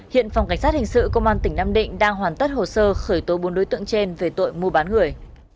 hiện phòng cảnh sát hình sự công an tỉnh nam định đang hoàn tất hồ sơ khởi tố bốn đối tượng trên về tội mua bán người